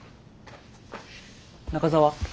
中澤。